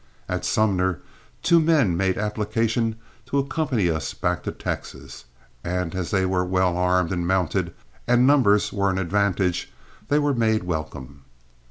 At Sumner two men made application to accompany us back to Texas, and as they were well armed and mounted, and numbers were an advantage, they were made welcome.